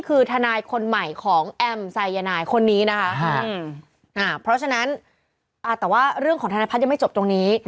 คือทนายคนใหม่ของแอมสายยนายคนนี้นะจ้าเฉินแต่ว่ารื่องของทนาภัณฑ์ไม่จบตรงนี้